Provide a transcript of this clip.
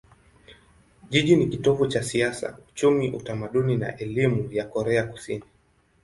Jiji ni kitovu cha siasa, uchumi, utamaduni na elimu ya Korea Kusini.